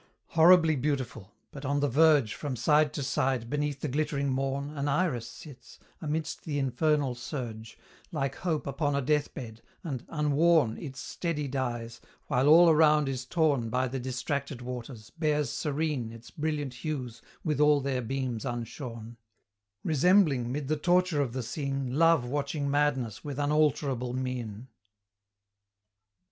Horribly beautiful! but on the verge, From side to side, beneath the glittering morn, An Iris sits, amidst the infernal surge, Like Hope upon a deathbed, and, unworn Its steady dyes, while all around is torn By the distracted waters, bears serene Its brilliant hues with all their beams unshorn: Resembling, mid the torture of the scene, Love watching Madness with unalterable mien.